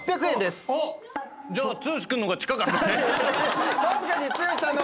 じゃあ剛君の方が近かったね。